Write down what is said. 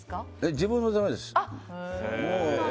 自分のためです。